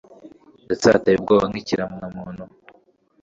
ndetse hanateye ubwoba nk ikiremwamuntu